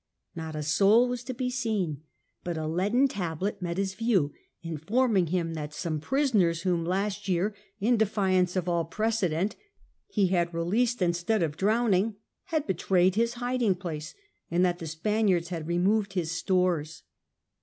Not a soul was to be seen, but a leaden tablet met his view, informing him that some prisoners whom last year, in defiance of all precedent, he had released instead of drowning, had betrayed his hiding place, and that the Spaniards had removed his stores.